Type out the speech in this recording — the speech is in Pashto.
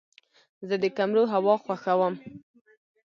زه د کمرو هوا خوښوم.